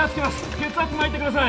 血圧巻いてください